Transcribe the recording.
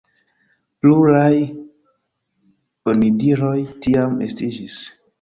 Pluraj onidiroj tiam estiĝis.